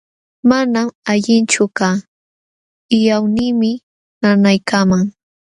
Manam allinchu kaa, wiqawniimi nanaykaaman.